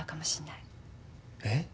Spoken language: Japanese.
えっ？